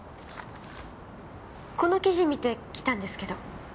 この記事見て来たんですけど。